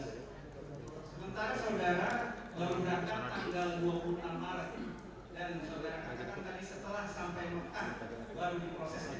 tentang saya adalah saya pindah menentang murid murid yang oyu yang disepakati oleh manajer saya